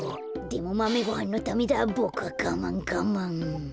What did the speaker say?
でもマメごはんのためだボクはがまんがまん。